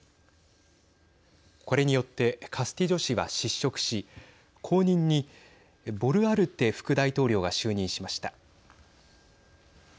これによってカスティジョ氏は失職し後任にボルアルテ副大統領が就任しました。